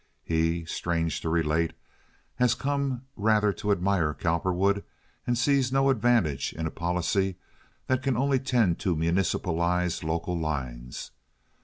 He, strange to relate, has come rather to admire Cowperwood and sees no advantage in a policy that can only tend to municipalize local lines.